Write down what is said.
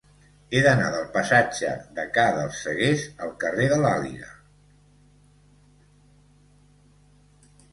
He d'anar del passatge de Ca dels Seguers al carrer de l'Àliga.